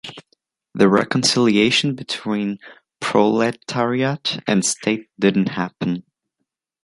The reconciliation between proletariat and state didn't happen.